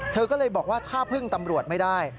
เธอก็เลยบอกว่าถ้าพึ่งตำรวจไม่ได้